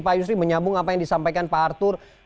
pak yusri menyambung apa yang disampaikan pak arthur